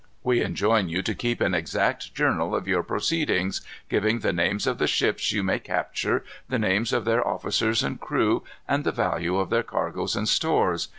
"We enjoin you to keep an exact journal of your proceedings, giving the names of the ships you may capture, the names of their officers and crew, and the value of their cargoes, and stores.